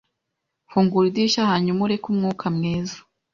Fungura idirishya hanyuma ureke umwuka mwiza.